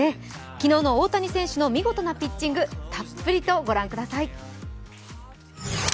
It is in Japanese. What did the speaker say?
昨日の大谷選手の見事なピッチング、たっぷりとご覧ください。